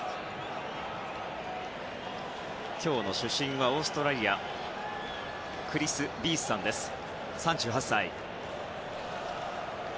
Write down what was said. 今日の主審はオーストラリアのクリス・ビースさん、３８歳。